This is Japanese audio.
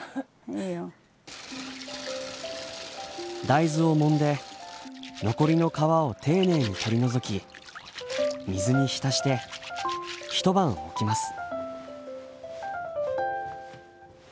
大豆をもんで残りの皮を丁寧に取り除き水に浸して一晩置きます。